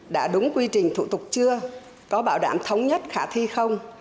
đã đúng quy trình thủ tục chưa có bảo đảm thống nhất khả thi không